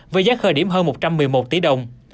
với giá khởi điểm hơn một trăm một mươi một tỷ đồng